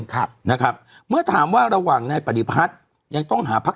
ครับนะครับเมื่อถามว่าระหว่างนายปฏิพัฒน์ยังต้องหาพัก